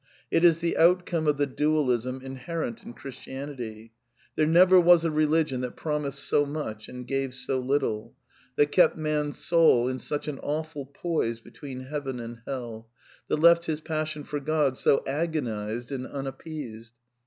It is the outcome of the dualism inherent in Christianity. There never was a religion that promised:'''^^ so much and gave so little ; that kept man's soul in such an \ awful poise between heaven and hell ; that left his passi6n for God so agonized and unappeased.